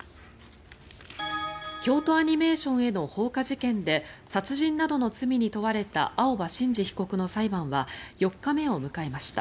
京都アニメーションへの放火事件で殺人などの罪に問われた青葉真司被告の裁判は４日目を迎えました。